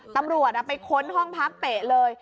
ตำรวจไปค้นห้องพักเตะเลย